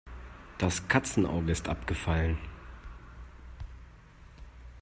Das Katzenauge ist abgefallen.